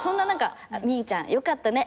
「みぃちゃんよかったね。